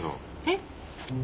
えっ？